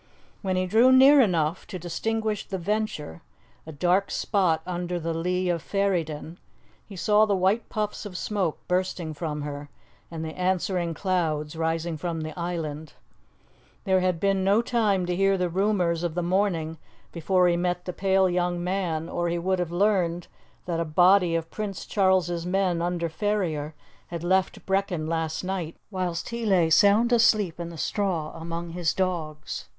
When he drew near enough to distinguish the Venture, a dark spot under the lee of Ferryden, he saw the white puffs of smoke bursting from her, and the answering clouds rising from the island. There had been no time to hear the rumours of the morning before he met the pale young man, or he would have learned that a body of Prince Charles's men under Ferrier had left Brechin last night whilst he lay sound asleep in the straw among his dogs.